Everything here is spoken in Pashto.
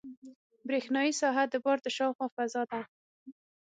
برېښنایي ساحه د بار د شاوخوا فضا ده.